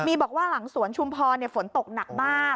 มีบอกว่าหลังสวนชุมพรฝนตกหนักมาก